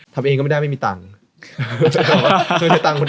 ทำเองก็ไม่ได้ไม่มีตังค์